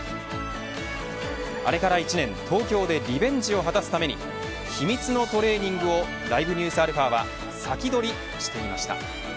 あれから１年東京でリベンジを果たすために秘密のトレーニングをＬｉｖｅＮｅｗｓαはサキドリしていました。